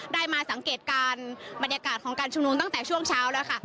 ได้มาสังเกตการณ์บรรยากาศของการชุมนุมตั้งแต่ช่วงเช้าแล้วค่ะ